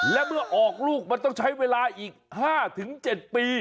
และเมื่อออกลูกมันต้องใช้เวลาอีก๕๗ปี